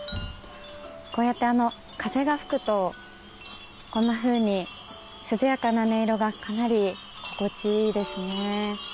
こうやって風が吹くとこんなふうに涼やかな音色がかなり心地いいですね。